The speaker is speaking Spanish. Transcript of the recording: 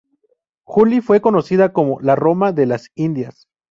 Juli fue conocida como "La Roma de las Indias".